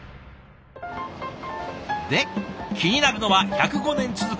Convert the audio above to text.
で気になるのは１０５年続くまかない。